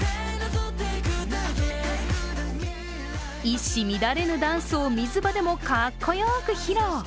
一糸乱れぬダンスを水場でもかっこよく披露。